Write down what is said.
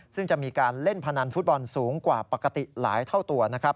ซึ่งจะมีการเล่นพนันฟุตบอลสูงกว่าปกติหลายเท่าตัวนะครับ